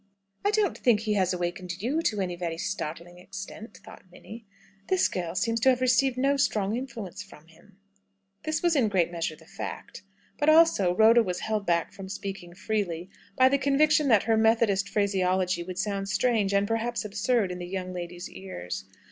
"I don't think he has awakened you to any very startling extent!" thought Minnie. "This girl seems to have received no strong influence from him." That was in a great measure the fact; but also, Rhoda was held back from speaking freely, by the conviction that her Methodist phraseology would sound strange, and perhaps absurd, in the young lady's ears.